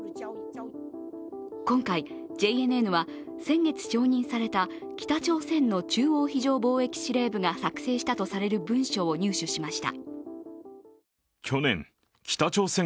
今回、ＪＮＮは先月承認された北朝鮮の中央非常防疫司令部が作成したとされる文書を入手しました。